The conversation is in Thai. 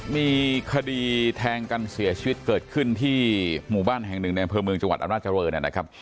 มีคดีแทงกันเสียชีวิตเกิดขึ้นที่หมู่บ้านแห่งหนึ่งในอำเภอเมืองจังหวัดอำนาจริงนะครับ